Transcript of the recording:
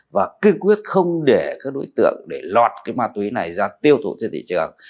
và cư quyết không để các đối tượng để lọt cái ma túy này ra tiêu thụ trên thị trường